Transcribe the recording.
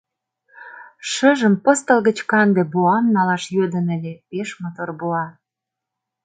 Шыжым пыстыл гыч канде боам налаш йодын ыле, пеш мотор боа.